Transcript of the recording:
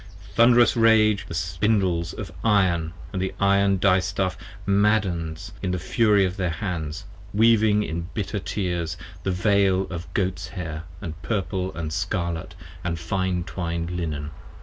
Thunderous rage the Spindles of iron, & the iron Distaff Maddens in the fury of their hands, weaving in bitter tears 55 The Veil of Goats hair & Purple & Scarlet & fine twined Linen.